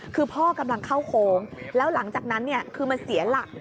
คือพ่อกำลังเข้าโค้งแล้วหลังจากนั้นคือมันเสียหลัก